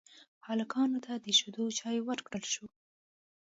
هلکانو ته د شيدو چايو ورکړل شوه.